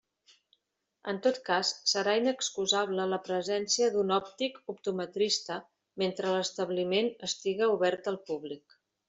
En tot cas, serà inexcusable la presència d'un òptic optometrista mentre l'establiment estiga obert al públic.